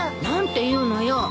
何て言うのよ。